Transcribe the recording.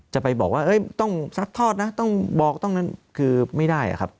จะไปบอกว่าต้องซัดทอดนะต้องบอกตรงนั้นคือไม่ได้อะครับ